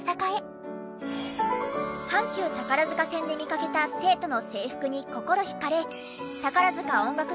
阪急宝塚線で見かけた生徒の制服に心引かれ宝塚音楽